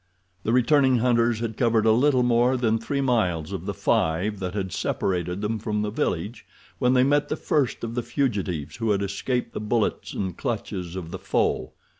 The returning hunters had covered a little more than three miles of the five that had separated them from the village when they met the first of the fugitives who had escaped the bullets and clutches of the foe.